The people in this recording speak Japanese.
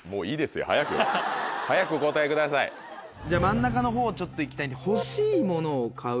真ん中の方ちょっといきたいんで欲しいものを買う・